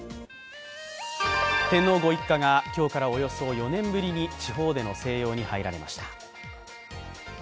天皇ご一家が今日からおよそ４年ぶりに地方での静養に入られました。